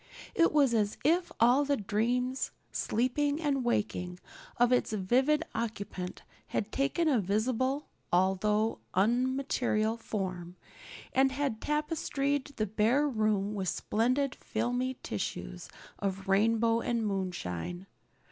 It was as if all the dreams, sleeping and waking, of its vivid occupant had taken a visible although unmaterial form and had tapestried the bare room with splendid filmy tissues of rainbow and moonshine.